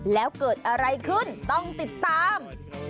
แล้วเกิดอะไรขึ้นต้องติดตาม